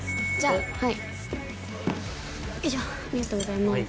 ありがとうございます。